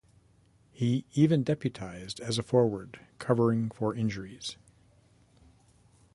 He even deputised as a forward covering for injuries.